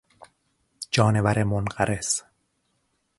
جانور منقرض